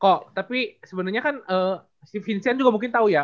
kok tapi sebenernya kan si vincent juga mungkin tau ya